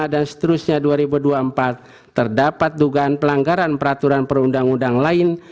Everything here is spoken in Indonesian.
seterusnya dua ribu dua puluh empat terdapat dugaan pelanggaran peraturan perundang undang lain